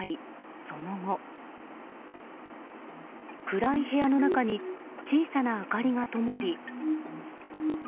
暗い部屋の中に小さな明かりがともり。